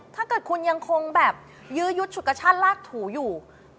ถ้าเกิดคุณยังคงแบบยื้อยุดฉุดกระชากลากถูอยู่